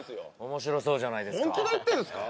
面白そうじゃないですか本気で言ってんすか？